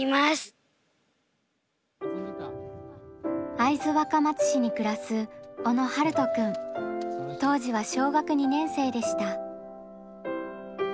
会津若松市に暮らす小野陽大くん当時は小学２年生でした。